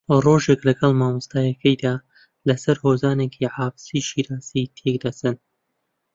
ڕۆژێک لەگەڵ مامۆستاکەیدا لەسەر ھۆزانێکی حافزی شیرازی تێکدەچن